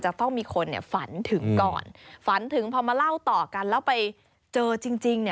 จะต้องมีคนฝันถึงก่อนฝันถึงพอมาเล่าต่อกันแล้วไปเจอจริง